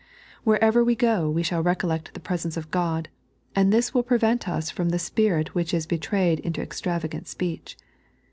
Wherever we go we shall recollect the presence of Qod, and this will pravent us from the spirit which ia betrayed into extravagant speech.